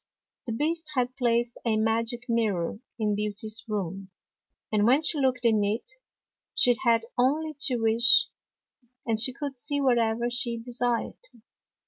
The Beast had placed a magic mirror in Beauty's room, and when she looked in it, she had only to wish, and she could see what ever she desired.